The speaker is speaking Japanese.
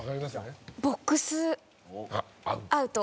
ボックスアウト？